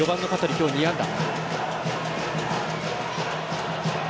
今日、２安打。